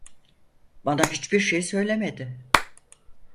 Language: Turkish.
Bana hiçbir şey söylemedi.